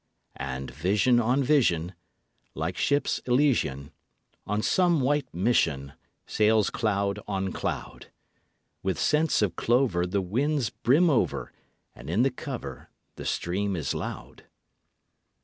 And vision on vision, Like ships elysian On some white mission, Sails cloud on cloud; With scents of clover The winds brim over, And in the cover The stream is loud.